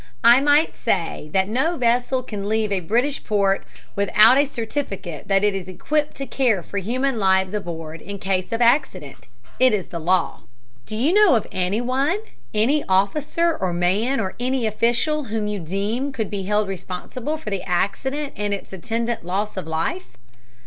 I might say that no vessel can leave a British port without a certificate that it is equipped to care for human lives aboard in case of accident. It is the law." "Do you know of anyone, any officer or man or any official, whom you deem could be held responsible for the accident and its attendant loss of life?"